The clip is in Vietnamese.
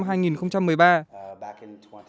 tôi đã luôn tìm kiếm một nơi khác